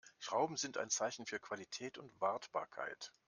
Schrauben sind ein Zeichen für Qualität und Wartbarkeit.